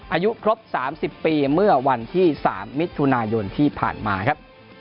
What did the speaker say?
อายุครบ๓๐ปีเมื่อวันที่๓มิถุนายนที่ผ่านมาครับ